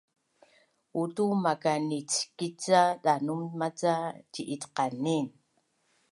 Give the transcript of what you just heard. Uutu makanickic ca danum maca ci’itqanin